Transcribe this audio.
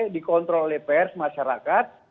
dikontrol oleh pers masyarakat